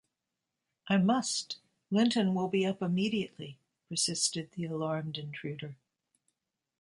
‘I must — Linton will be up immediately,’ persisted the alarmed intruder.